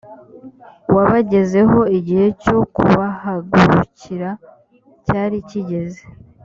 wabagezeho igihe cyo kubahagurukira cyari kigeze